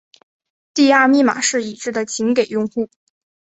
第二密码是已知的仅给用户。